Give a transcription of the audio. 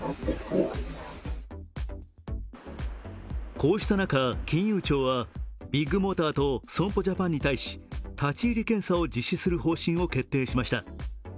こうした中、金融庁はビッグモーターと損保ジャパンに対し、立ち入り検査を実施する方針を決定しました。